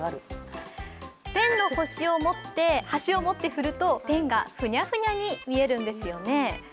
ペンの端を持って振るとペンがふにゃふにゃに見えるんですよね。